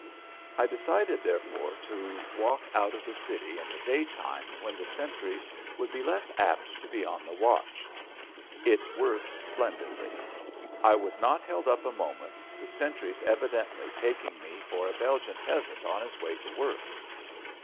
I decided, therefore, to walk out of the city in the daytime when the sentries would be less apt to be on the watch. It worked splendidly. I was not held up a moment, the sentries evidently taking me for a Belgian peasant on his way to work.